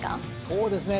そうですね。